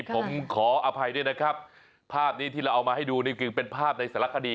ผมขออภัยด้วยนะครับภาพนี้ที่เราเอามาให้ดูนี่คือเป็นภาพในสารคดี